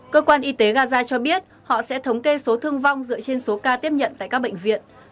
cơ quan y tế gaza cho biết họ sẽ thống kê số thương vong dựa trên số ca tiếp nhận tại các bệnh viện